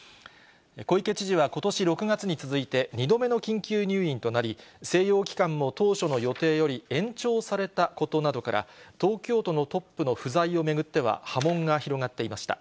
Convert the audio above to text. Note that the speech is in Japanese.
小池知事はことし６月に続いて、２度目の緊急入院となり、静養期間も当初の予定より延長されたことなどから、東京都のトップの不在を巡っては、波紋が広がっていました。